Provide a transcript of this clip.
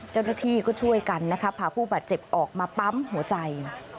เจ้าหน้าที่ก็ช่วยกันนะคะพาผู้บาดเจ็บออกมาปั๊มหัวใจ